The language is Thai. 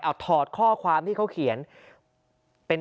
เอาถอดข้อความที่เขาเขียนเป็น